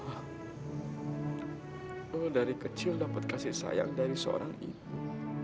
aku dari kecil dapat kasih sayang dari seorang ibu